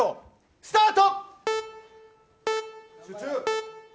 スタート。